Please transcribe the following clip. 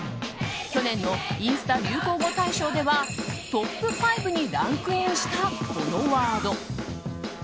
去年のインスタ流行語大賞ではトップ５にランクインしたこのワード。